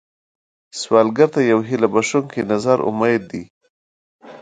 سوالګر ته یو هيله بښونکی نظر امید دی